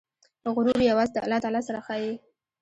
غرور یوازې د الله تعالی سره ښایي.